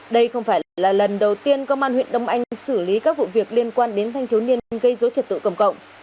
đây không phải là lần đầu tiên công an huyện đông anh xử lý các vụ việc liên quan đến thanh thiếu niên gây dối trật tự cầm cộng